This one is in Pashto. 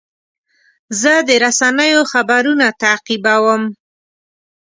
زه د رسنیو خبرونه تعقیبوم.